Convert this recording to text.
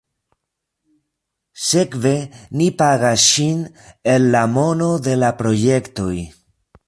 Sekve ni pagas ŝin el la mono de la projektoj.